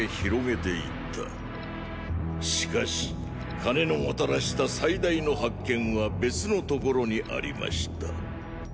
しかし金のもたらした最大の発見は別の所にありました。